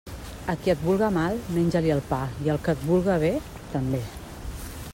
A qui et vulga mal, menja-li el pa, i al que et vulga bé, també.